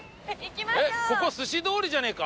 ここ寿司通りじゃねえか？